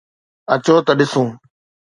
اچو ته ڏسون